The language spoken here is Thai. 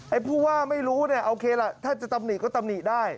ผู้ว่าไม่รู้เนี่ยโอเคล่ะถ้าจะตำหนิก็ตำหนิได้